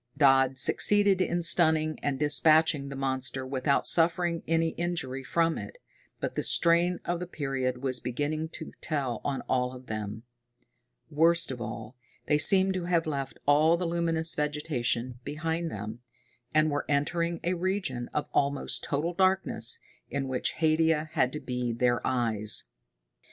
Dodd succeeded in stunning and dispatching the monster without suffering any injury from it, but the strain of the period was beginning to tell on all of them. Worst of all, they seemed to have left all the luminous vegetation behind them, and were entering a region of almost total darkness, in which Haidia had to be their eyes.